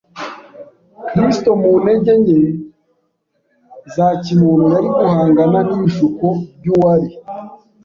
Kristo mu ntege nke za kimuntu yari guhangana n’ibishuko by’uwari